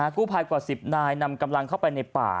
กู้ภัยกว่า๑๐นายนำกำลังเข้าไปในป่า